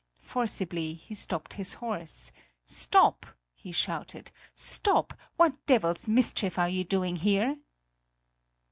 Forcibly he stopped his horse: "Stop!" he shouted, "stop! What devil's mischief are you doing there?"